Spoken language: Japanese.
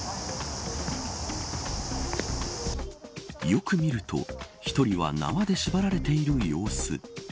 よく見ると１人は縄で縛られている様子。